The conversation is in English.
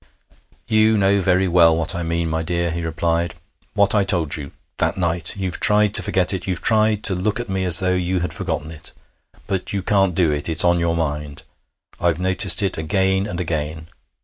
'You know very well what I mean, my dear,' he replied. 'What I told you that night! You've tried to forget it. You've tried to look at me as though you had forgotten it. But you can't do it. It's on your mind. I've noticed it again and again.